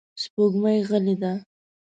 سپوږمۍ غلې ده.